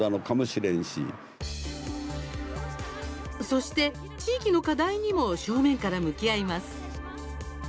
そして、地域の課題にも正面から向き合います。